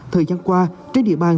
thời gian qua trên địa bàn